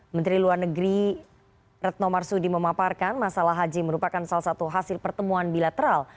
menteri luar negeri retno marsudi memaparkan masalah haji merupakan salah satu hasil pertemuan bilateral